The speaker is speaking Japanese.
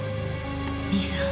兄さん